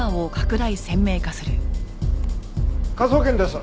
科捜研です。